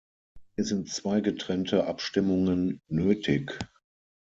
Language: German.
Hier sind zwei getrennte Abstimmungen nötig.